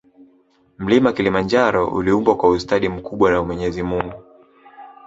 Mlima kilimanjaro uliumbwa kwa ustadi mkubwa wa mwenyezi mungu